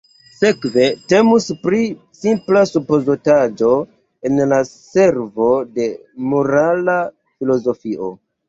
Sekve temus pri simpla supozotaĵo en la servo de morala filozofio.